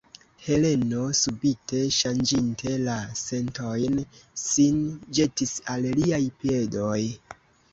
Heleno, subite ŝanĝinte la sentojn, sin ĵetis al liaj piedoj.